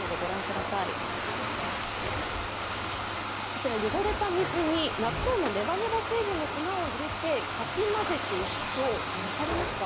こちら汚れた水に納豆のねばねば成分の粉を入れてかき混ぜていくと、分かりますか？